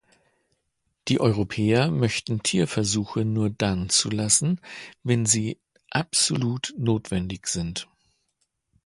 Die Europäer möchten Tierversuche nur dann zulassen, wenn sie absolut notwendig sind.